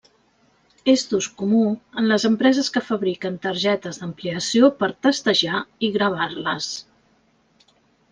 És d'ús comú en les empreses que fabriquen targetes d'ampliació per testejar i gravar-les.